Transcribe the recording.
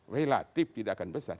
relatif tidak akan besar